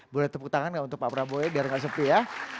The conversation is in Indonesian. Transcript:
boleh tepuk tangan gak untuk pak prabowo ya biar nggak sepi ya